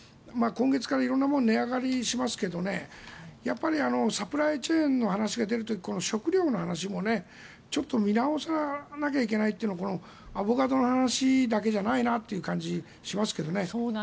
今月から色々なものが値上がりしますがやっぱりサプライチェーンの話が出る時、食料の話もちょっと見直さなきゃいけないというのはこのアボカドの話だけじゃないなっていう感じがしますけどね。